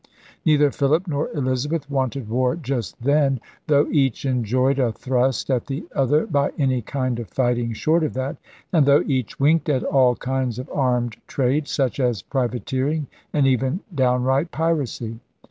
Neither Philip nor Elizabeth wanted war just then, though each enjoyed a thrust at the other by any kind of fighting short of that, and though each winked at all kinds of armed trade, such as privateering and even downright piracy.